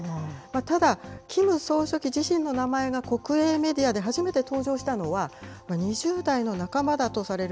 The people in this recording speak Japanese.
ただ、キム総書記自身の名前が国営メディアで初めて登場したのは、２０代の半ばだとされる